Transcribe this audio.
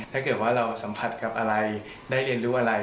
ถ้าเกิดว่าเราสัมผัสกับอะไรได้เรียนรู้อะไร